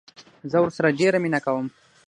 زه ورسره ډيره مينه کوم